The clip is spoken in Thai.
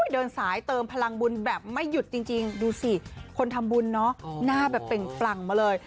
เดินสายเติมพลังบุญแบบไม่หยุดจริงดูสิคนทำบุญเนาะหน้าแบบเปล่งปลั่งมาเลย